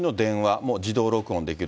もう自動録音できる。